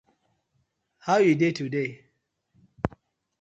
How you dey today?